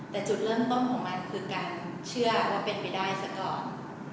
แต่จุดเริ่มต้นของมันคือการเชื่อและเป็นไปได้ซะก่อน